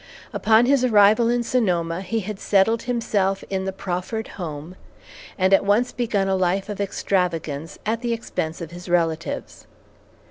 Upon his arrival in Sonoma, he had settled himself in the proffered home, and at once begun a life of extravagance, at the expense of his relatives.